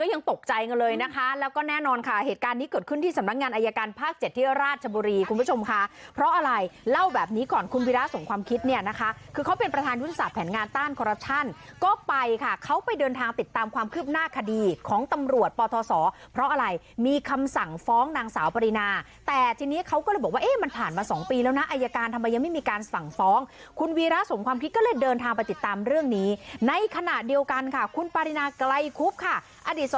ก็ยังตกใจกันเลยนะคะแล้วก็แน่นอนค่ะเหตุการณ์นี้เกิดขึ้นที่สำนักงานอายการภาค๗ที่ราชบุรีคุณผู้ชมค่ะเพราะอะไรเล่าแบบนี้ก่อนคุณวีราสงความคิดเนี่ยนะคะคือเขาเป็นประธานยุทธศาสตร์แผนงานต้านคอรับทรันก็ไปค่ะเขาไปเดินทางติดตามความคืบหน้าคดีของตำรวจปทศเพราะอะไรมีคำสั่งฟ้องนางส